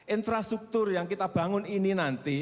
infrastruktur yang kita bangun ini nanti